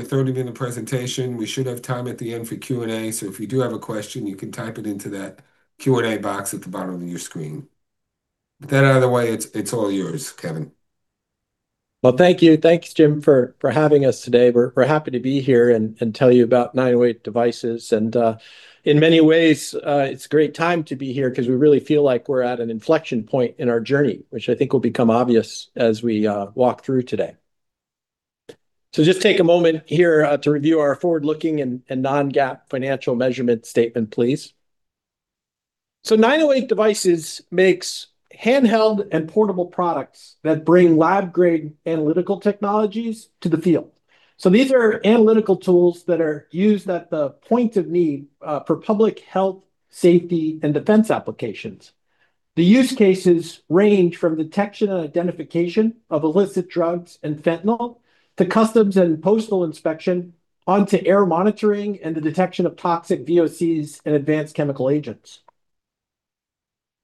I throw it in the presentation. We should have time at the end for Q&A, so if you do have a question, you can type it into that Q&A box at the bottom of your screen. With that out of the way, it's all yours, Kevin. Well, thank you. Thanks, Jim, for having us today. We're happy to be here and tell you about 908 Devices. In many ways, it's a great time to be here 'cause we really feel like we're at an inflection point in our journey, which I think will become obvious as we walk through today. Just take a moment here to review our forward-looking and non-GAAP financial measurement statement, please. 908 Devices makes handheld and portable products that bring lab-grade analytical technologies to the field. These are analytical tools that are used at the point of need for public health, safety, and defense applications. The use cases range from detection and identification of illicit drugs and fentanyl to customs and postal inspection, onto air monitoring and the detection of toxic VOCs and advanced chemical agents.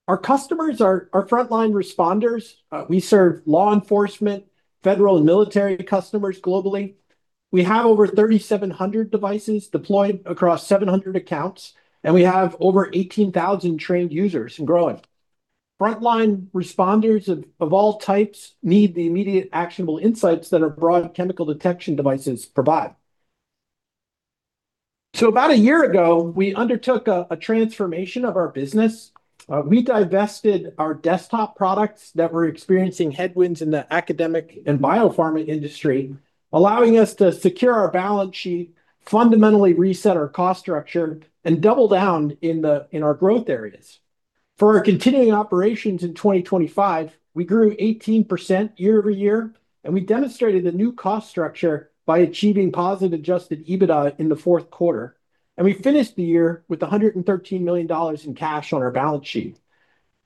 Our customers are our frontline responders. We serve law enforcement, federal and military customers globally. We have over 3,700 devices deployed across 700 accounts, and we have over 18,000 trained users and growing. Frontline responders of all types need the immediate actionable insights that our broad chemical detection devices provide. About a year ago, we undertook a transformation of our business. We divested our desktop products that were experiencing headwinds in the academic and biopharma industry, allowing us to secure our balance sheet, fundamentally reset our cost structure, and double down in our growth areas. For our continuing operations in 2025, we grew 18% year-over-year, and we demonstrated a new cost structure by achieving positive adjusted EBITDA in the fourth quarter, and we finished the year with $113 million in cash on our balance sheet.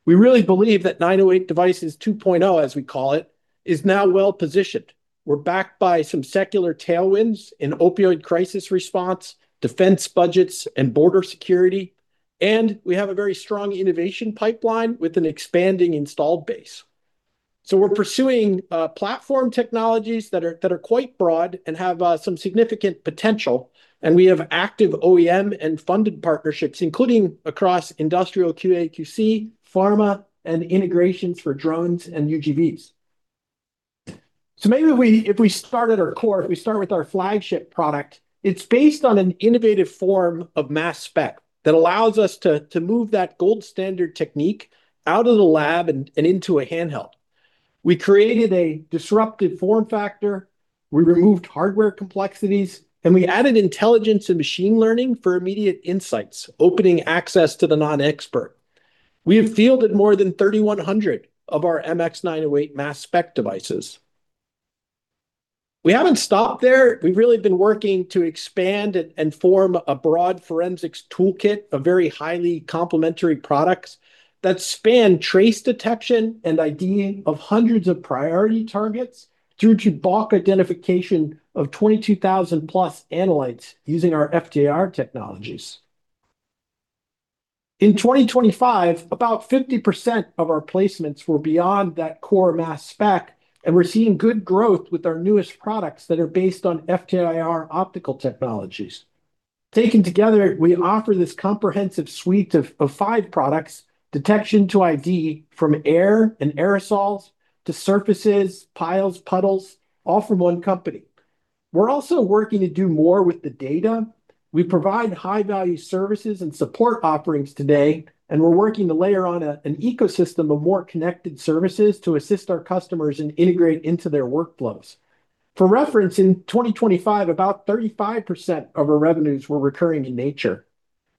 We really believe that 908 Devices 2.0, as we call it, is now well-positioned. We're backed by some secular tailwinds in opioid crisis response, defense budgets, and border security, and we have a very strong innovation pipeline with an expanding installed base. We're pursuing platform technologies that are quite broad and have some significant potential, and we have active OEM and funded partnerships, including across industrial QAQC, pharma, and integrations for drones and UGVs. Maybe if we start with our flagship product, it's based on an innovative form of mass spec that allows us to move that gold standard technique out of the lab and into a handheld. We created a disruptive form factor, we removed hardware complexities, and we added intelligence and machine learning for immediate insights, opening access to the non-expert. We have fielded more than 3,100 of our MX908 mass spec devices. We haven't stopped there. We've really been working to expand and form a broad forensics toolkit of very highly complementary products that span trace detection and ID of hundreds of priority targets through to bulk identification of 22,000+ analytes using our FTIR technologies. In 2025, about 50% of our placements were beyond that core mass spec, and we're seeing good growth with our newest products that are based on FTIR optical technologies. Taken together, we offer this comprehensive suite of five products, detection to ID, from air and aerosols to surfaces, piles, puddles, all from one company. We're also working to do more with the data. We provide high-value services and support offerings today, and we're working to layer on an ecosystem of more connected services to assist our customers and integrate into their workflows. For reference, in 2025, about 35% of our revenues were recurring in nature.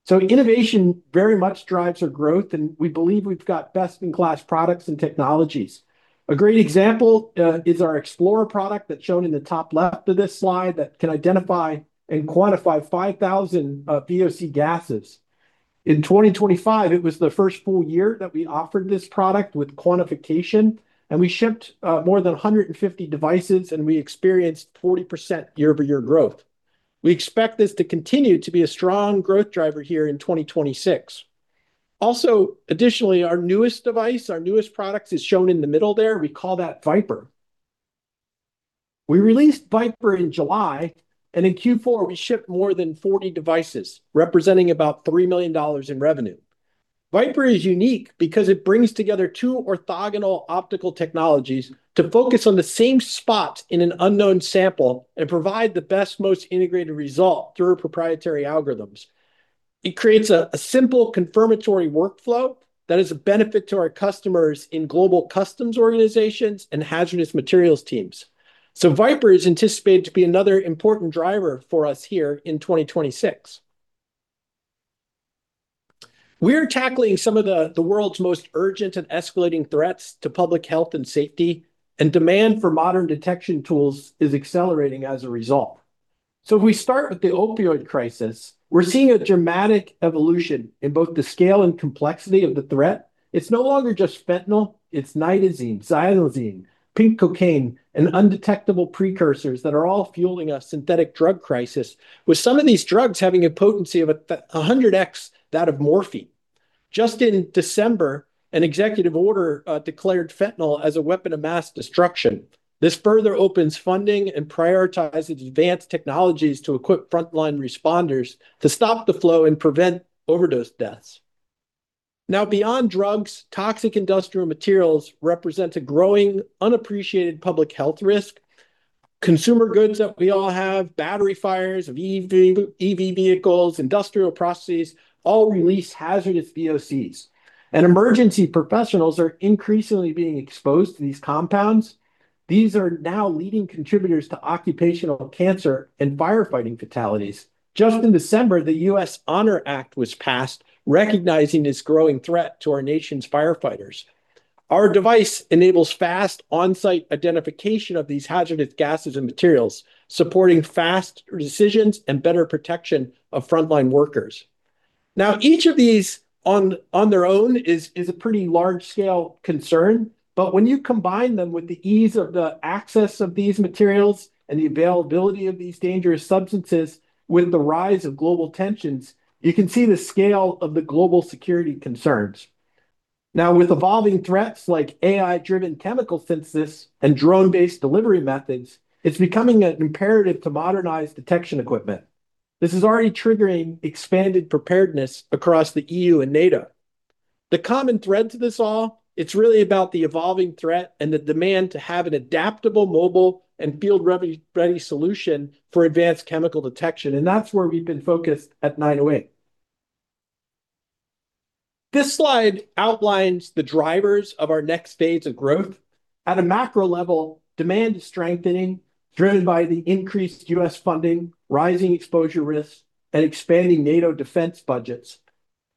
Innovation very much drives our growth, and we believe we've got best-in-class products and technologies. A great example is our XplorIR product that's shown in the top left of this slide that can identify and quantify 5,000 VOCs. In 2025, it was the first full year that we offered this product with quantification, and we shipped more than 150 devices, and we experienced 40% year-over-year growth. We expect this to continue to be a strong growth driver here in 2026. Also, additionally, our newest device, our newest product, is shown in the middle there. We call that VipIR. We released VipIR in July, and in Q4, we shipped more than 40 devices, representing about $3 million in revenue. VipIR is unique because it brings together two orthogonal optical technologies to focus on the same spots in an unknown sample and provide the best, most integrated result through our proprietary algorithms. It creates a simple confirmatory workflow that is a benefit to our customers in global customs organizations and hazardous materials teams. VipIR is anticipated to be another important driver for us here in 2026. We're tackling some of the world's most urgent and escalating threats to public health and safety, and demand for modern detection tools is accelerating as a result. If we start with the opioid crisis, we're seeing a dramatic evolution in both the scale and complexity of the threat. It's no longer just fentanyl. It's nitazenes, xylazine, pink cocaine, and undetectable precursors that are all fueling a synthetic drug crisis, with some of these drugs having a potency of a hundred x that of morphine. Just in December, an executive order declared fentanyl as a weapon of mass destruction. This further opens funding and prioritizes advanced technologies to equip frontline responders to stop the flow and prevent overdose deaths. Now, beyond drugs, toxic industrial materials represent a growing unappreciated public health risk. Consumer goods that we all have, battery fires of EV vehicles, industrial processes all release hazardous VOCs. Emergency professionals are increasingly being exposed to these compounds. These are now leading contributors to occupational cancer and firefighting fatalities. Just in December, the Honoring Our Fallen Heroes Act was passed, recognizing this growing threat to our nation's firefighters. Our device enables fast on-site identification of these hazardous gases and materials, supporting fast decisions and better protection of frontline workers. Now, each of these on their own is a pretty large-scale concern. When you combine them with the ease of the access of these materials and the availability of these dangerous substances with the rise of global tensions, you can see the scale of the global security concerns. Now, with evolving threats like AI-driven chemical synthesis and drone-based delivery methods, it's becoming an imperative to modernize detection equipment. This is already triggering expanded preparedness across the EU and NATO. The common thread to this all, it's really about the evolving threat and the demand to have an adaptable, mobile, and field-ready solution for advanced chemical detection, and that's where we've been focused at 908 Devices. This slide outlines the drivers of our next phase of growth. At a macro level, demand is strengthening, driven by the increased U.S. funding, rising exposure risks, and expanding NATO defense budgets.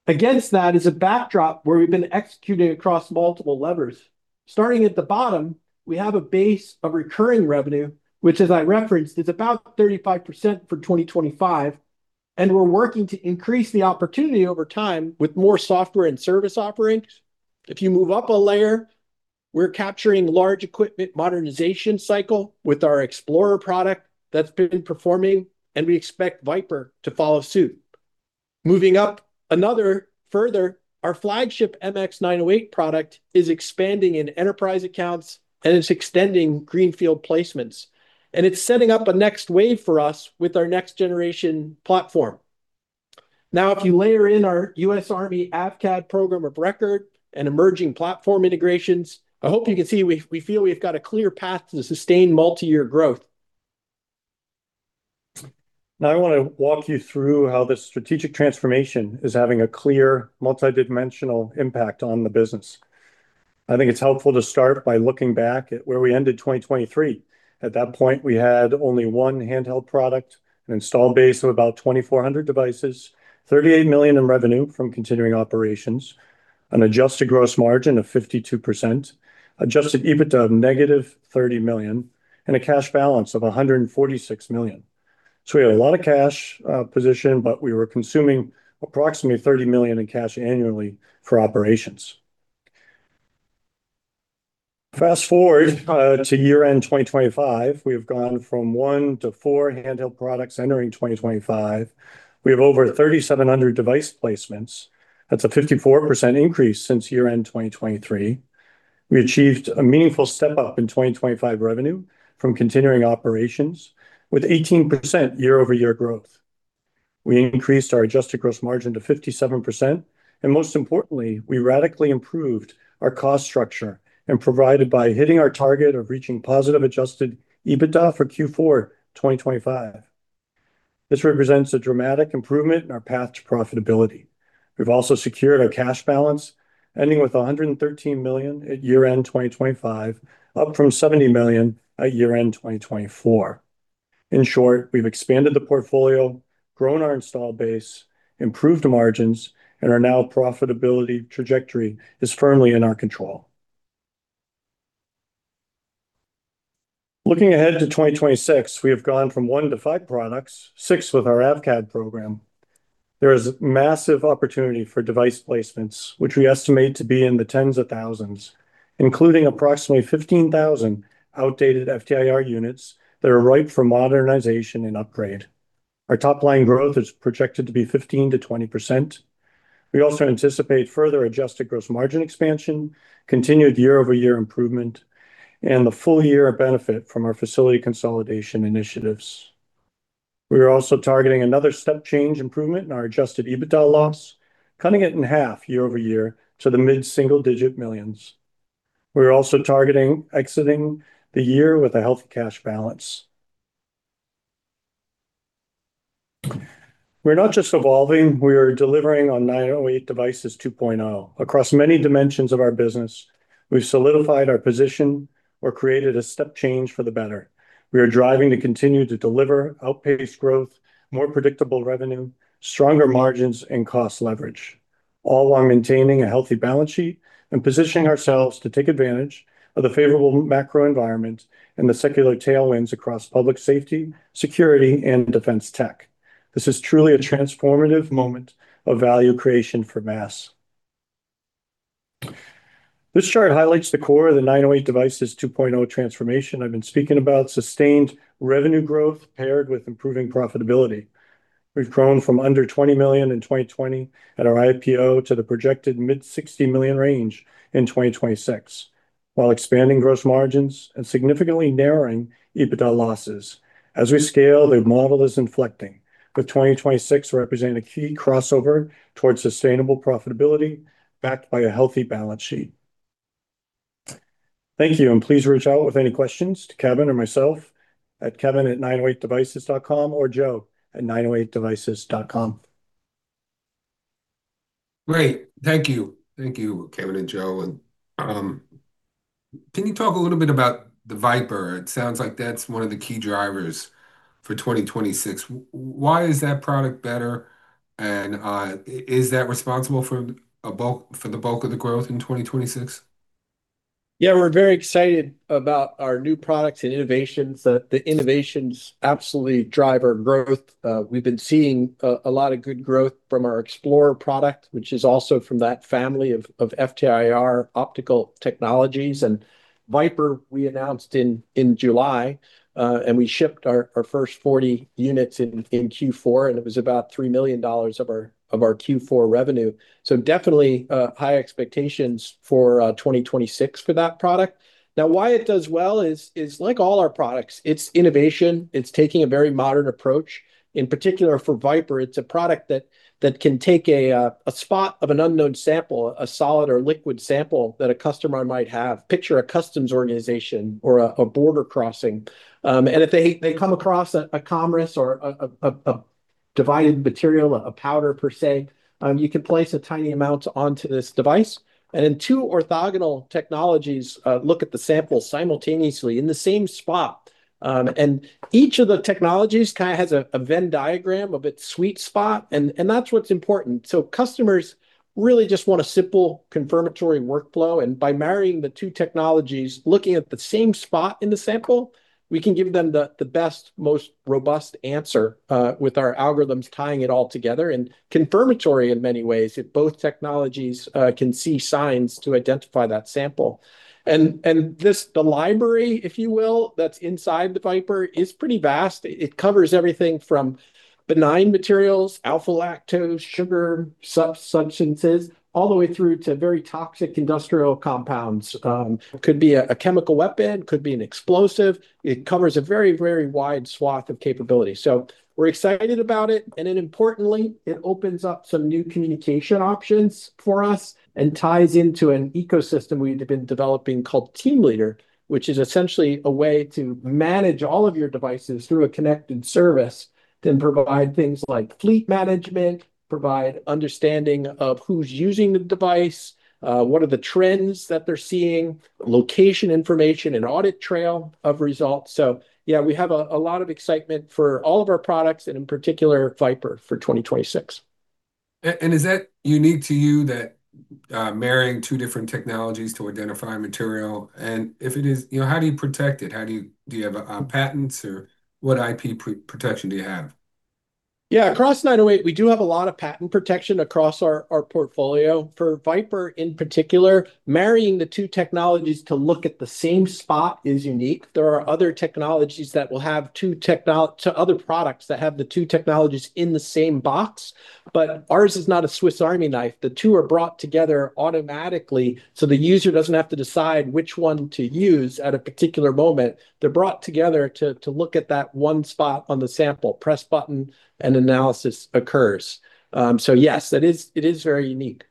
Against that is a backdrop where we've been executing across multiple levers. Starting at the bottom, we have a base of recurring revenue, which as I referenced, is about 35% for 2025, and we're working to increase the opportunity over time with more software and service offerings. If you move up a layer, we're capturing large equipment modernization cycle with our XplorIR product that's been performing, and we expect VipIR to follow suit. Moving up another further, our flagship MX908 product is expanding in enterprise accounts, and it's extending greenfield placements. It's setting up a next wave for us with our next generation platform. Now, if you layer in our U.S. Army AVCADD program of record and emerging platform integrations, I hope you can see we feel we've got a clear path to sustained multi-year growth. Now I wanna walk you through how this strategic transformation is having a clear multidimensional impact on the business. I think it's helpful to start by looking back at where we ended 2023. At that point, we had only one handheld product, an install base of about 2,400 devices, $38 million in revenue from continuing operations, an adjusted gross margin of 52%, Adjusted EBITDA of -$30 million, and a cash balance of $146 million. We had a lot of cash position, but we were consuming approximately $30 million in cash annually for operations. Fast forward to year-end 2025, we have gone from one to four handheld products entering 2025. We have over 3,700 device placements. That's a 54% increase since year-end 2023. We achieved a meaningful step-up in 2025 revenue from continuing operations with 18% year-over-year growth. We increased our adjusted gross margin to 57%, and most importantly, we radically improved our cost structure and proved by hitting our target of reaching positive Adjusted EBITDA for Q4 2025. This represents a dramatic improvement in our path to profitability. We've also secured our cash balance, ending with $113 million at year-end 2025, up from $70 million at year-end 2024. In short, we've expanded the portfolio, grown our install base, improved margins, and now profitability trajectory is firmly in our control. Looking ahead to 2026, we have gone from one to five products, six with our AVCADD program. There is massive opportunity for device placements, which we estimate to be in the tens of thousands, including approximately 15,000 outdated FTIR units that are ripe for modernization and upgrade. Our top line growth is projected to be 15%-20%. We also anticipate further adjusted gross margin expansion, continued year-over-year improvement, and the full year of benefit from our facility consolidation initiatives. We are also targeting another step change improvement in our Adjusted EBITDA loss, cutting it in half year-over-year to the mid-single digit millions. We're also targeting exiting the year with a healthy cash balance. We're not just evolving, we are delivering on 908 Devices 2.0. Across many dimensions of our business, we've solidified our position or created a step change for the better. We are driving to continue to deliver outpaced growth, more predictable revenue, stronger margins, and cost leverage, all while maintaining a healthy balance sheet and positioning ourselves to take advantage of the favorable macro environment and the secular tailwinds across public safety, security, and defense tech. This is truly a transformative moment of value creation for MASS. This chart highlights the core of the 908 Devices 2.0 transformation I've been speaking about, sustained revenue growth paired with improving profitability. We've grown from under $20 million in 2020 at our IPO to the projected mid-$60 million range in 2026, while expanding gross margins and significantly narrowing EBITDA losses. As we scale, the model is inflecting, with 2026 representing a key crossover towards sustainable profitability backed by a healthy balance sheet. Thank you, and please reach out with any questions to Kevin or myself at kevin@908devices.com or joe@908devices.com. Great. Thank you. Thank you, Kevin and Joe. Can you talk a little bit about the VipIR? It sounds like that's one of the key drivers for 2026. Why is that product better, and is that responsible for the bulk of the growth in 2026? Yeah, we're very excited about our new products and innovations. The innovations absolutely drive our growth. We've been seeing a lot of good growth from our XplorIR product, which is also from that family of FTIR optical technologies. VipIR, we announced in July, and we shipped our first 40 units in Q4, and it was about $3 million of our Q4 revenue, so definitely high expectations for 2026 for that product. Now, why it does well is, like all our products, it's innovation, it's taking a very modern approach. In particular, for VipIR, it's a product that can take a spot of an unknown sample, a solid or liquid sample that a customer might have. Picture a customs organization or a border crossing. If they come across a compound or a divided material, a powder per se, you can place a tiny amount onto this device. Two orthogonal technologies look at the sample simultaneously in the same spot. Each of the technologies kind of has a Venn diagram of its sweet spot, and that's what's important. Customers really just want a simple confirmatory workflow. By marrying the two technologies, looking at the same spot in the sample, we can give them the best, most robust answer with our algorithms tying it all together and confirmatory in many ways if both technologies can see signs to identify that sample. The library, if you will, that's inside the VipIR is pretty vast. It covers everything from benign materials, alpha-lactose, sugar substances, all the way through to very toxic industrial compounds. Could be a chemical weapon, could be an explosive. It covers a very, very wide swath of capability. We're excited about it, and then importantly, it opens up some new communication options for us and ties into an ecosystem we've been developing called Team Leader, which is essentially a way to manage all of your devices through a connected service, then provide things like fleet management, provide understanding of who's using the device, what are the trends that they're seeing, location information, an audit trail of results. Yeah, we have a lot of excitement for all of our products and in particular VipIR for 2026. Is that unique to you, that marrying two different technologies to identify material? If it is, you know, how do you protect it? Do you have patents or what IP protection do you have? Yeah, across 908, we do have a lot of patent protection across our portfolio. For VipIR in particular, marrying the two technologies to look at the same spot is unique. There are other technologies, other products that have the two technologies in the same box, but ours is not a Swiss Army knife. The two are brought together automatically, so the user doesn't have to decide which one to use at a particular moment. They're brought together to look at that one spot on the sample. Press button, and analysis occurs. So yes, it is very unique.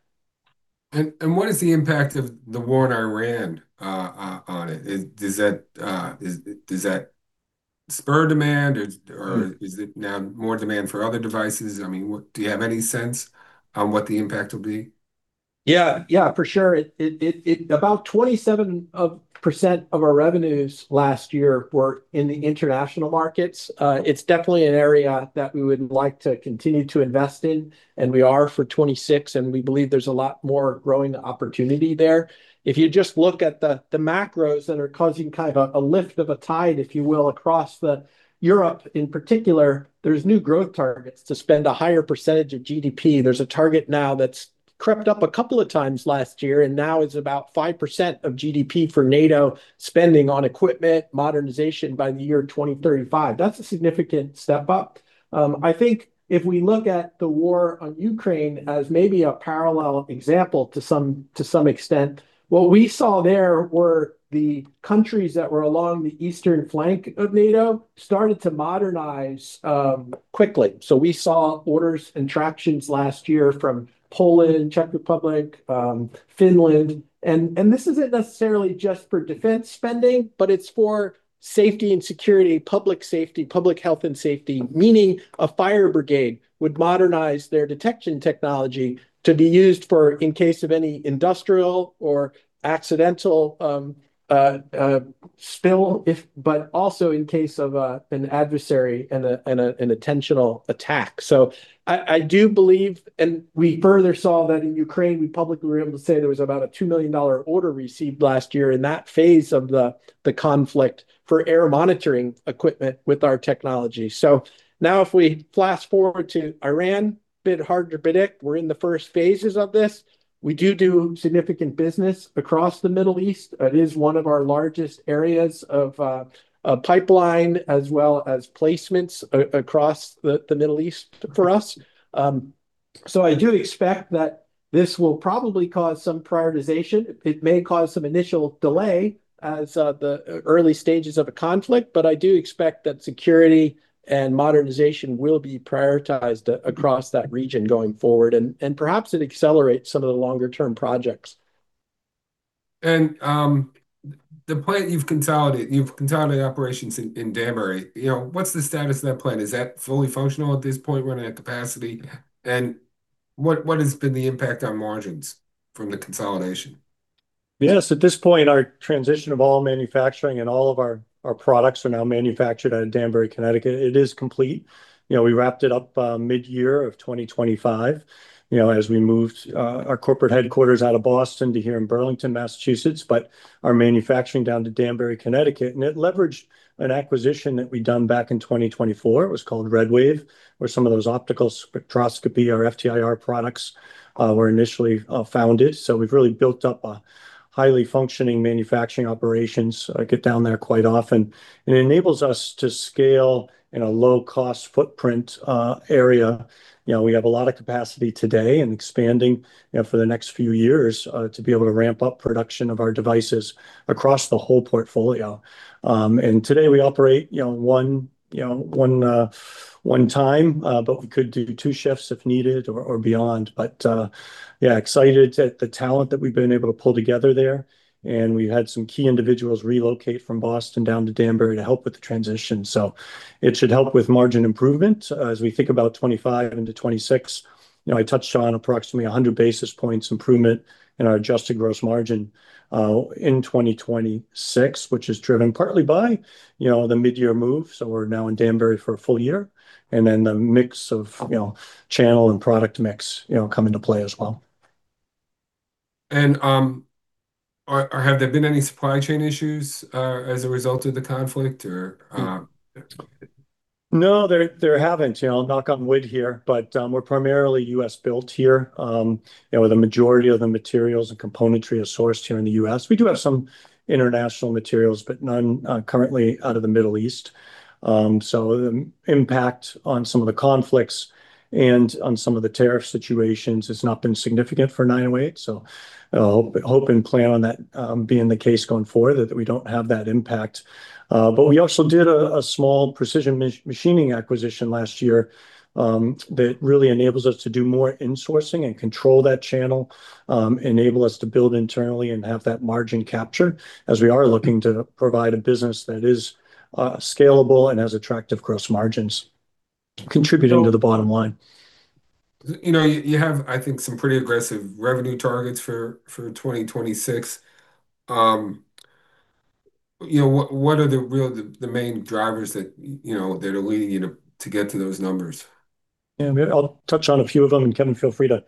What is the impact of the war in Iran on it? Does that spur demand or is it now more demand for other devices? I mean, what do you have any sense on what the impact will be? Yeah. Yeah, for sure. About 27% of our revenues last year were in the international markets. It's definitely an area that we would like to continue to invest in, and we are for 2026, and we believe there's a lot more growing opportunity there. If you just look at the macros that are causing kind of a lift of a tide, if you will, across Europe in particular, there's new growth targets to spend a higher percentage of GDP. There's a target now that's crept up a couple of times last year, and now is about 5% of GDP for NATO spending on equipment modernization by the year 2035. That's a significant step up. I think if we look at the war in Ukraine as maybe a parallel example to some extent, what we saw there were the countries that were along the eastern flank of NATO started to modernize quickly. We saw orders and contracts last year from Poland, Czech Republic, Finland. This isn't necessarily just for defense spending, but it's for safety and security, public safety, public health and safety, meaning a fire brigade would modernize their detection technology to be used for in case of any industrial or accidental spill, but also in case of an adversary and an intentional attack. I do believe, and we further saw that in Ukraine, we publicly were able to say there was about a $2 million order received last year in that phase of the conflict for air monitoring equipment with our technology. Now if we fast-forward to Iran, a bit harder to predict. We're in the first phases of this. We do significant business across the Middle East. It is one of our largest areas of pipeline as well as placements across the Middle East for us. I do expect that this will probably cause some prioritization. It may cause some initial delay as the early stages of a conflict, but I do expect that security and modernization will be prioritized across that region going forward. Perhaps it accelerates some of the longer term projects. The plant you've consolidated operations in Danbury, you know, what's the status of that plant? Is that fully functional at this point, running at capacity? What has been the impact on margins from the consolidation? Yes. At this point, our transition of all manufacturing and all of our products are now manufactured out of Danbury, Connecticut. It is complete. You know, we wrapped it up midyear of 2025, you know, as we moved our corporate headquarters out of Boston to here in Burlington, Massachusetts, but our manufacturing down to Danbury, Connecticut. It leveraged an acquisition that we'd done back in 2024. It was called RedWave, where some of those optical spectroscopy, our FTIR products, were initially founded. We've really built up a highly functioning manufacturing operations. I get down there quite often, and it enables us to scale in a low-cost footprint area. You know, we have a lot of capacity today and expanding, you know, for the next few years, to be able to ramp up production of our devices across the whole portfolio. Today we operate, you know, one shift, but we could do two shifts if needed or beyond. Yeah, excited at the talent that we've been able to pull together there, and we had some key individuals relocate from Boston down to Danbury to help with the transition. It should help with margin improvement as we think about 2025 into 2026. You know, I touched on approximately 100 basis points improvement in our adjusted gross margin in 2026, which is driven partly by, you know, the midyear move, so we're now in Danbury for a full year, and then the mix of, you know, channel and product mix, you know, come into play as well. Have there been any supply chain issues as a result of the conflict or? No, there haven't. You know, knock on wood here, but we're primarily U.S. built here. You know, the majority of the materials and componentry is sourced here in the U.S. We do have some international materials, but none currently out of the Middle East. The impact on some of the conflicts and on some of the tariff situations has not been significant for 908. Hope and plan on that being the case going forward, that we don't have that impact. We also did a small precision machining acquisition last year that really enables us to do more insourcing and control that channel, enable us to build internally and have that margin capture as we are looking to provide a business that is scalable and has attractive gross margins contributing to the bottom line. You know, you have, I think, some pretty aggressive revenue targets for 2026. You know, what are the real, the main drivers that, you know, that are leading you to get to those numbers? Yeah. I'll touch on a few of them, and Kevin, feel free to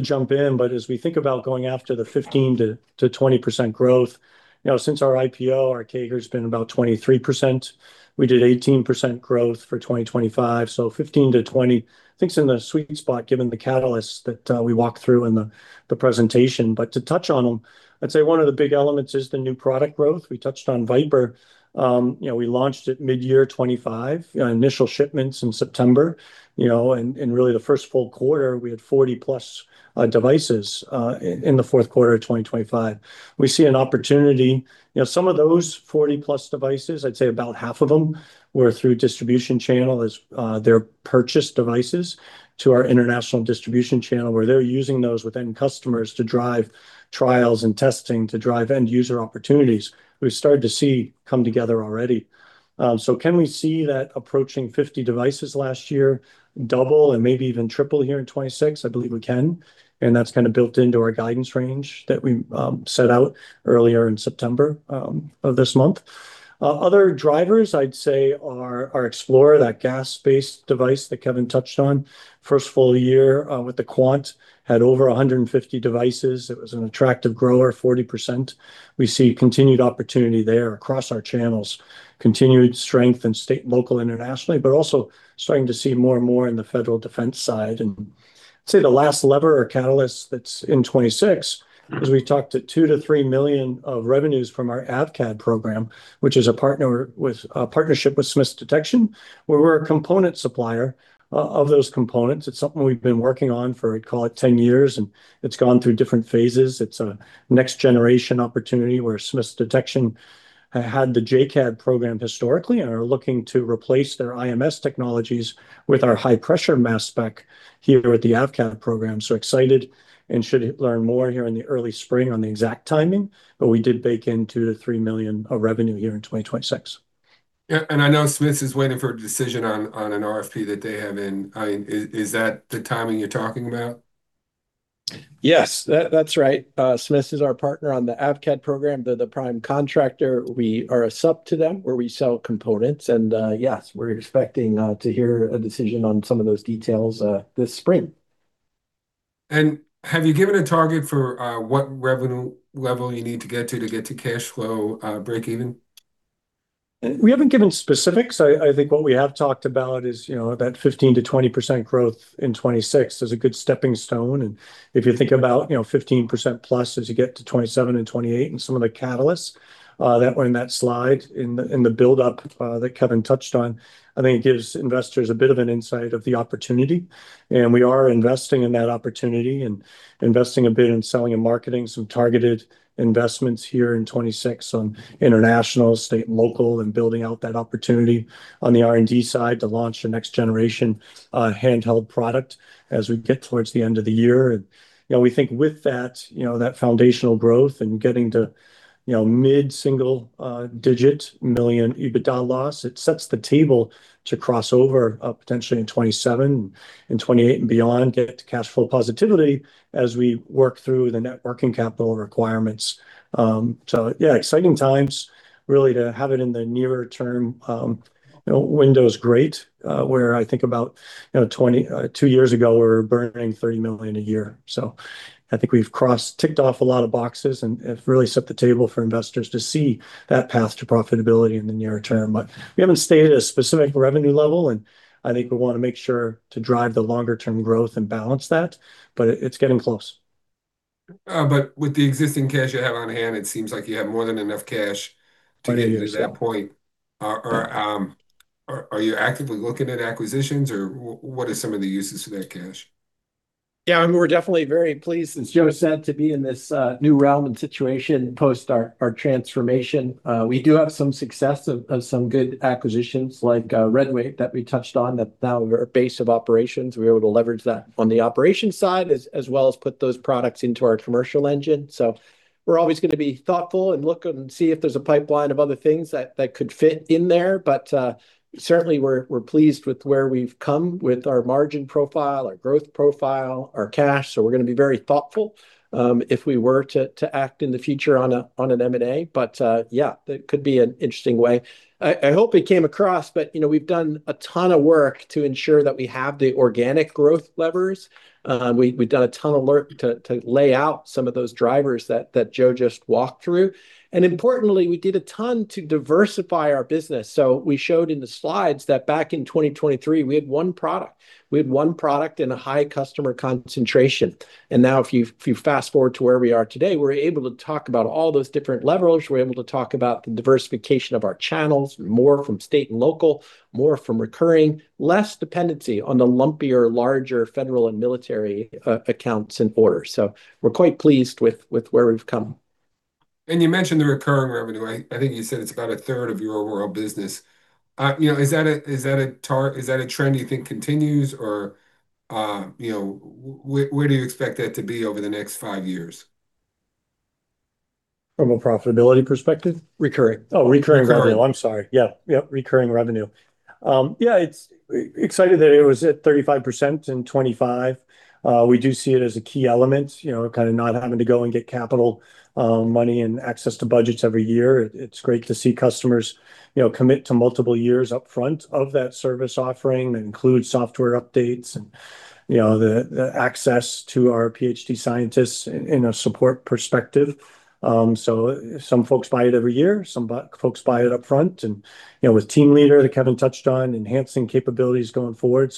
jump in. As we think about going after the 15%-20% growth, you know, since our IPO, our CAGR's been about 23%. We did 18% growth for 2025, so 15%-20% I think is in the sweet spot given the catalysts that we walked through in the presentation. To touch on them, I'd say one of the big elements is the new product growth. We touched on VipIR. You know, we launched it midyear 2025. You know, initial shipments in September, you know, and really the first full quarter we had 40+ devices in the fourth quarter of 2025. We see an opportunity. You know, some of those 40+ devices, I'd say about half of them, were through distribution channel as they're purchased devices to our international distribution channel, where they're using those with end customers to drive trials and testing to drive end user opportunities we've started to see come together already. Can we see that approaching 50 devices last year double and maybe even triple here in 2026? I believe we can, and that's kinda built into our guidance range that we set out earlier in September of this month. Other drivers I'd say are our XplorIR, that gas-based device that Kevin touched on. First full year with the Quant had over 150 devices. It was an attractive grower, 40%. We see continued opportunity there across our channels. Continued strength in state and local internationally, but also starting to see more and more in the federal defense side. I'd say the last lever or catalyst that's in 2026 is we talked $2-3 million of revenues from our AVCADD program, which is a partnership with Smiths Detection, where we're a component supplier of those components. It's something we've been working on for, call it 10 years, and it's gone through different phases. It's a next generation opportunity where Smiths Detection had the JCAD program historically and are looking to replace their IMS technologies with our high pressure mass spec here with the AVCADD program. Excited, and should learn more here in the early spring on the exact timing, but we did bake in $2 -3 million of revenue here in 2026. Yeah, I know Smiths Detection is waiting for a decision on an RFP that they have in. I mean, is that the timing you're talking about? Yes. That's right. Smiths Detection is our partner on the AVCADD program. They're the prime contractor. We are a sub to them where we sell components, and yes, we're expecting to hear a decision on some of those details this spring. Have you given a target for what revenue level you need to get to to get to cash flow breakeven? We haven't given specifics. I think what we have talked about is, you know, that 15%-20% growth in 2026 is a good stepping stone, and if you think about, you know, 15%+ as you get to 2027 and 2028 and some of the catalysts that were in that slide in the build-up that Kevin touched on, I think it gives investors a bit of an insight of the opportunity, and we are investing in that opportunity and investing a bit in selling and marketing some targeted investments here in 2026 on international, state and local, and building out that opportunity on the R&D side to launch the next generation handheld product as we get towards the end of the year. You know, we think with that, you know, that foundational growth and getting to, you know, mid-single-digit million EBITDA loss, it sets the table to cross over, potentially in 2027 and 2028 and beyond, get to cash flow positivity as we work through the net working capital requirements. Yeah, exciting times really to have it in the nearer term, you know, window's great, where I think about, you know, twenty-two years ago we were burning $30 million a year. I think we've crossed, ticked off a lot of boxes and have really set the table for investors to see that path to profitability in the near term. We haven't stated a specific revenue level, and I think we wanna make sure to drive the longer term growth and balance that, but it's getting close. With the existing cash you have on hand, it seems like you have more than enough cash. I do, yeah.... to get to that point. Are you actively looking at acquisitions, or what are some of the uses for that cash? Yeah, I mean, we're definitely very pleased, as Joe said, to be in this new realm and situation post our transformation. We do have some success of some good acquisitions like RedWave that we touched on that now are our base of operations. We're able to leverage that on the operations side as well as put those products into our commercial engine. We're always gonna be thoughtful and look and see if there's a pipeline of other things that could fit in there. Certainly we're pleased with where we've come with our margin profile, our growth profile, our cash, so we're gonna be very thoughtful if we were to act in the future on an M&A. Yeah, that could be an interesting way. I hope it came across, but, you know, we've done a ton of work to ensure that we have the organic growth levers. We've done a ton of work to lay out some of those drivers that Joe just walked through. Importantly, we did a ton to diversify our business, so we showed in the slides that back in 2023, we had one product. We had one product and a high customer concentration. Now if you fast-forward to where we are today, we're able to talk about all those different levers. We're able to talk about the diversification of our channels, more from state and local, more from recurring, less dependency on the lumpier, larger federal and military accounts and orders. We're quite pleased with where we've come. You mentioned the recurring revenue. I think you said it's about a third of your overall business. You know, is that a trend you think continues or, you know, where do you expect that to be over the next five years? From a profitability perspective? Recurring. Oh, recurring revenue. Recurring. I'm sorry. Yeah, yep, recurring revenue. Yeah, it's exciting that it was at 35% in 2025. We do see it as a key element, you know, kinda not having to go and get capital money and access to budgets every year. It's great to see customers, you know, commit to multiple years up front of that service offering that includes software updates and, you know, the access to our PhD scientists in a support perspective. Some folks buy it every year, some folks buy it up front. You know, with Team Leader that Kevin touched on, enhancing capabilities going forward.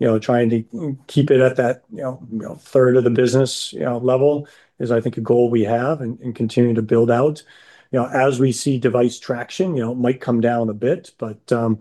You know, trying to keep it at that, you know, third of the business level is, I think, a goal we have and continue to build out. You know, as we see device traction, you know, it might come down a bit, but, yeah,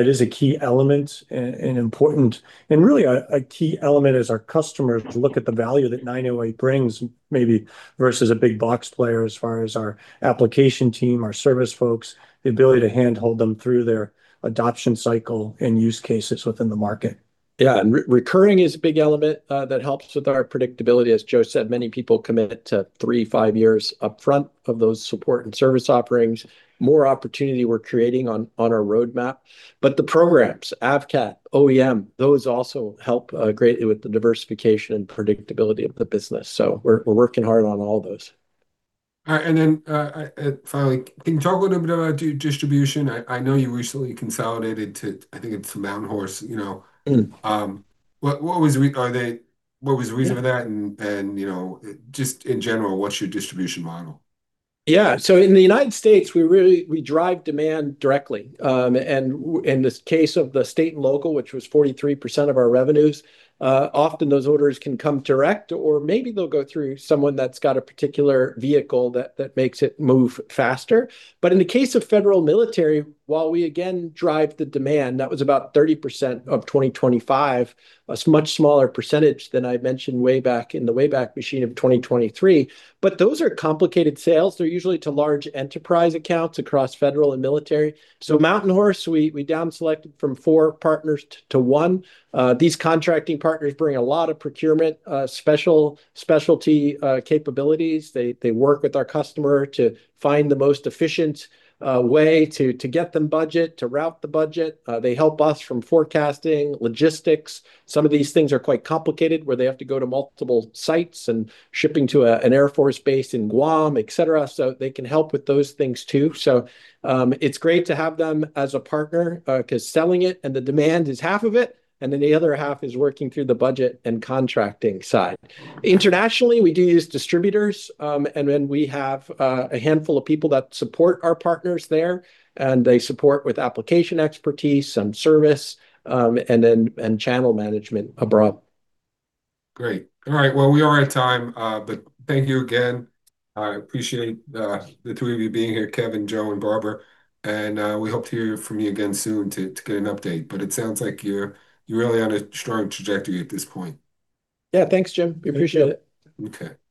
it is a key element and important and really a key element as our customers look at the value that 908 brings maybe versus a big box player as far as our application team, our service folks, the ability to handhold them through their adoption cycle and use cases within the market. Yeah, recurring is a big element that helps with our predictability. As Joe said, many people commit to three to five years up front of those support and service offerings. More opportunity we're creating on our roadmap. The programs, AvCADD, OEM, those also help greatly with the diversification and predictability of the business, so we're working hard on all those. All right, finally, can you talk a little bit about distribution? I know you recently consolidated to, I think it's Mountain Horse, you know. Mm. What was the reason for that? Yeah. You know, just in general, what's your distribution model? Yeah. In the United States, we really, we drive demand directly. In this case of the state and local, which was 43% of our revenues, often those orders can come direct or maybe they'll go through someone that's got a particular vehicle that makes it move faster. In the case of federal military, while we again drive the demand, that was about 30% of 2025. A much smaller percentage than I mentioned way back in the way back machine of 2023. Those are complicated sales. They're usually to large enterprise accounts across federal and military. Mountain Horse, we down selected from four partners to one. These contracting partners bring a lot of procurement specialty capabilities. They work with our customer to find the most efficient way to get the budget, to route the budget. They help us with forecasting, logistics. Some of these things are quite complicated, where they have to go to multiple sites and shipping to an Air Force base in Guam, et cetera, so they can help with those things too. It's great to have them as a partner, 'cause selling it and the demand is half of it, and then the other half is working through the budget and contracting side. Internationally, we do use distributors, and then we have a handful of people that support our partners there, and they support with application expertise, some service, and channel management abroad. Great. All right. Well, we are at time, but thank you again. I appreciate the three of you being here, Kevin, Joe, and Barbara, and we hope to hear from you again soon to get an update. It sounds like you're really on a strong trajectory at this point. Yeah. Thanks, Jim. We appreciate it. Okay. No problem.